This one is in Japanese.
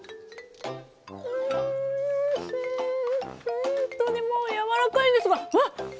ほんとにもう柔らかいですがわっ！